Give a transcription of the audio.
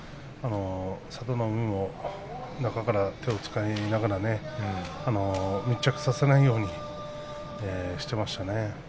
佐田の海も中から手を使いながら密着させないようにしていましたね。